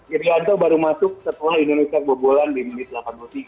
iryanto baru masuk setelah indonesia kebobolan di menit delapan puluh tiga